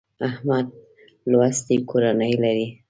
احمد لوستې کورنۍ لري.